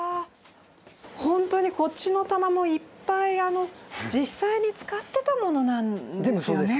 本当にこっちの棚もいっぱいあの実際に使ってたものなんですよね。